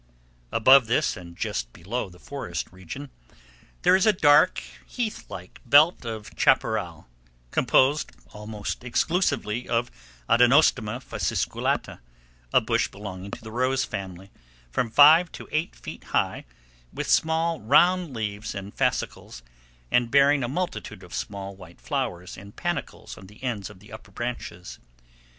Above this, and just below the forest region, there is a dark, heath like belt of chaparral, composed almost exclusively of Adenostoma fasciculata, a bush belonging to the rose family, from five to eight feet high, with small, round leaves in fascicles, and bearing a multitude of small white flowers in panicles on the ends of the upper branches.